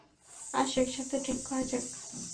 আসো, একসাথে ড্রিংক করা যাক।